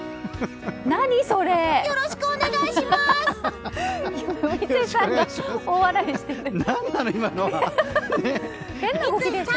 よろしくお願いします！